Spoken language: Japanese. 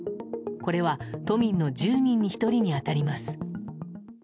これは都民の１０人に１人に当たります。